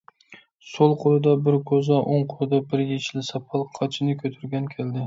سول قولىدا بىر كوزا، ئوڭ قولىدا بىر يېشىل ساپال قاچىنى كۆتۈرگەن كەلدى.